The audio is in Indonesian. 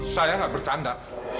saya nggak bercanda